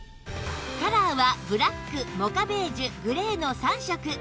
カラーはブラックモカベージュグレーの３色